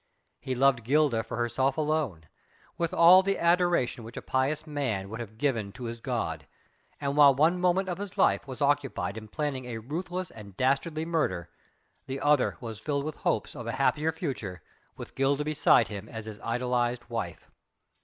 He loved Gilda for herself alone, with all the adoration which a pious man would have given to his God, and while one moment of his life was occupied in planning a ruthless and dastardly murder, the other was filled with hopes of a happier future, with Gilda beside him as his idolized wife.